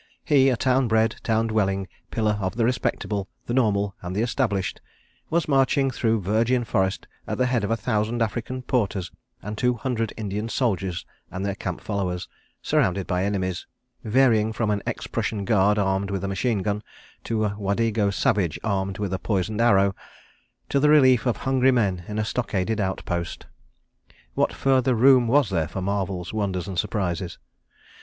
He, a town bred, town dwelling, pillar of the Respectable, the Normal and the Established, was marching through virgin forest at the head of a thousand African porters and two hundred Indian soldiers and their camp followers, surrounded by enemies—varying from an ex Prussian Guard armed with a machine gun to a Wadego savage armed with a poisoned arrow—to the relief of hungry men in a stockaded outpost! ... What further room was there for marvels, wonders, and surprises?